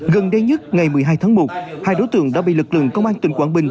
gần đây nhất ngày một mươi hai tháng một hai đối tượng đã bị lực lượng công an tỉnh quảng bình